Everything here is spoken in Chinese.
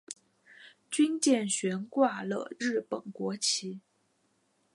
军舰悬挂了日本国旗。